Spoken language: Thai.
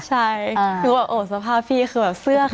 ใช่หนูแบบโอ้สภาพพี่คือแบบเสื้อข้าง